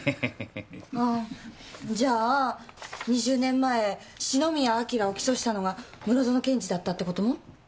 あじゃあ２０年前篠宮彬を起訴したのが室園検事だったって事も？